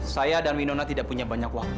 saya dan minona tidak punya banyak waktu